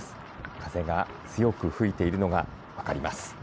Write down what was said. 風が強く吹いているのが分かります。